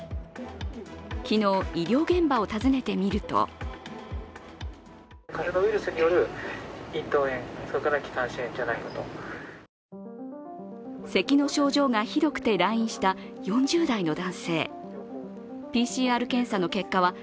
昨日、医療現場を訪ねてみるとせきの症状がひどくて来院した４０代の男性。